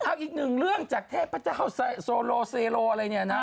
เป็นอะเอาอีกหนึ่งเรื่องจากเทพเจ้าโซโรอะไรเนี่ยนะ